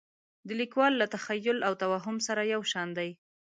د لیکوال له تخیل او توهم سره یو شان دي.